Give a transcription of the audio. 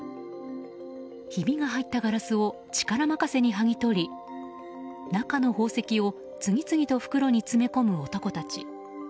ひびが入ったガラスを力任せにはぎとり中の宝石を次々と袋に詰め込む男たち。